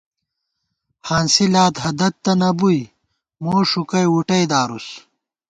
ہانسی لاد ہدَت تہ نہ بُوئی موݭُکئ وُٹئ دارس